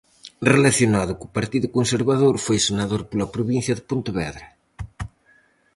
Relacionado co partido conservador, foi senador pola provincia de Pontevedra.